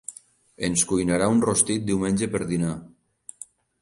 Ens cuinarà un rostit diumenge per dinar